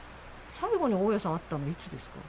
最後に大家さん会ったのはいつですか。